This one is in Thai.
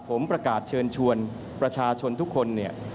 ผมประกาศเชิญชวนประชาชนทุกคนเนี่ย